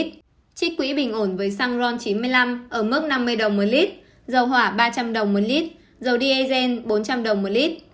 trích quỹ bình ổn với xăng ron chín mươi năm ở mức năm mươi đồng một lít dầu hỏa ba trăm linh đồng một lít dầu diesel bốn trăm linh đồng một lít